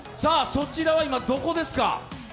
そちらは今どこですか？